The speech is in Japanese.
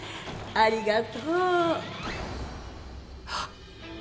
ありがとうあっ！